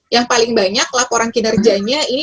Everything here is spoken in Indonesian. yang paling banyak laporan kinerjanya ini